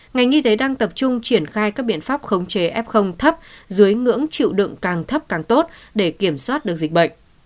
ngành y tế đang tập trung triển khai các biện pháp khống chế f thấp dưới ngưỡng chịu đựng càng thấp càng tốt để kiểm soát được dịch bệnh